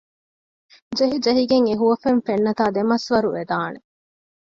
ޖެހިޖެހިގެން އެހުވަފެން ފެންނަތާ ދެމަސްވަރުވެދާނެ